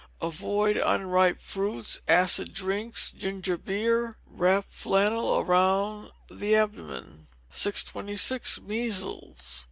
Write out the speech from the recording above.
Avoid unripe fruits, acid drinks, ginger beer; wrap flannel around the abdomen. 626. Measles.